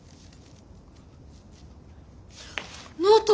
ノート！